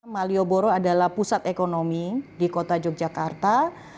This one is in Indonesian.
malioboro adalah pusat ekonomi di kota yogyakarta